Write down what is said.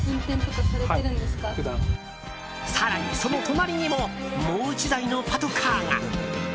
更に、その隣にももう１台のパトカーが。